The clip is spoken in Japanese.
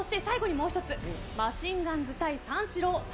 そしてもう１つマシンガンズ対三四郎